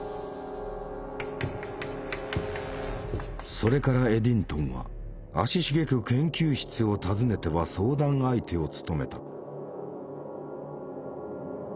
それからエディントンは足しげく研究室を訪ねては相談相手を務めた。